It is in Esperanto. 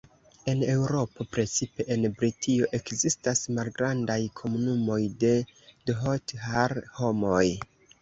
En Eŭropo, precipe en Britio, ekzistas malgrandaj komunumoj de Dhothar-homoj.